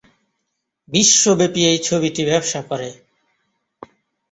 বিশ্বব্যাপী এই ছবিটি ব্যবসা করে।